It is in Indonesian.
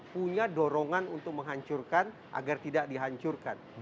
punya dorongan untuk menghancurkan agar tidak dihancurkan